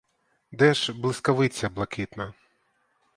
Де ж блискавиця блакитна?